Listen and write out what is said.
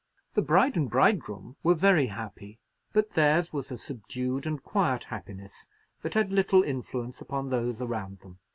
The bride and bridegroom were very happy; but theirs was a subdued and quiet happiness that had little influence upon those around them.